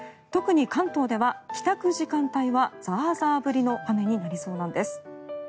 特に関東では帰宅時間帯はザーザー降りの雨になりそうなんです。